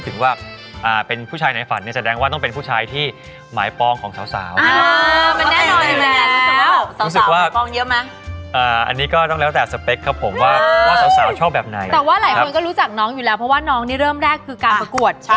แต่ว่าหลายคนก็รู้จักน้องอยู่แล้วเพราะว่าน้องนี่เริ่มแรกคือการประกวด